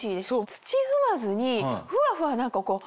土踏まずにふわふわ何かこう